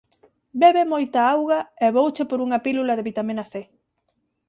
Bebe moita auga, e vouche por unha pílula de vitamina C.